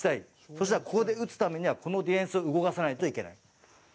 そしたら、ここで打つためには、このディフェンスを動かさないといけない。